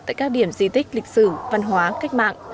tại các điểm di tích lịch sử văn hóa cách mạng